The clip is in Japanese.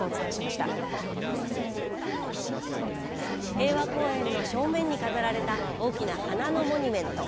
平和公園の正面に飾られた大きな花のモニュメント。